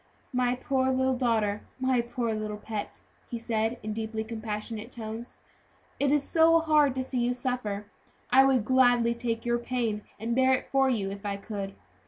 "My poor little daughter! my poor little pet!" he said, in a deeply compassionate tone, "it is so hard to see you suffer; I would gladly take your pain and bear it for you if I could."